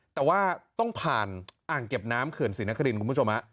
แต่ว่าต้องผ่านอ่างเก็บน้ำเขินสินคดินคุณผู้ชม